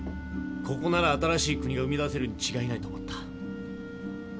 ここなら新しい国が生み出せるに違いないと思った。